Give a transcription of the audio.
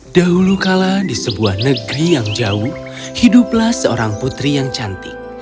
dahulu kala di sebuah negeri yang jauh hiduplah seorang putri yang cantik